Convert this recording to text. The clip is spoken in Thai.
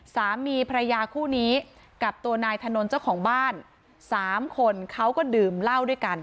สามีภรรยาคู่นี้กับตัวนายถนนเจ้าของบ้านสามคนเขาก็ดื่มเหล้าด้วยกัน